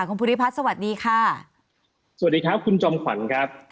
คุณภูริพัฒน์สวัสดีค่ะสวัสดีครับคุณจอมขวัญครับ